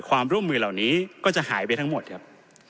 ความร่วมมือเหล่านี้ก็จะหายไปทั้งหมดครับ